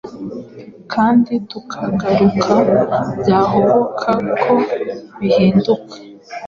Kandi kutagaruka byahoboka ko bihinduka